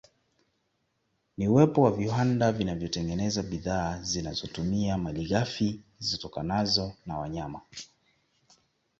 Ni uwepo wa viwanda vinavyotengeneza bidhaa zinazotumia malighafi zitokanazo na wayama